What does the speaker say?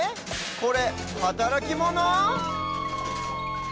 これはたらきモノ？